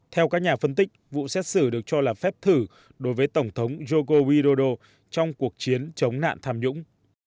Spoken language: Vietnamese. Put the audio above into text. theo các nhà phân tích vụ xét xử được cho là phép thử đối với tổng thống joko widodo trong cuộc chiến chống nạn tham nhũng